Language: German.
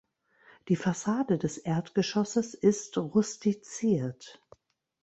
Die Fassade des Erdgeschosses ist rustiziert.